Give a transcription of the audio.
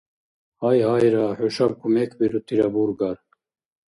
Гьайгьайра, хӀушаб кумекбирутира бургар?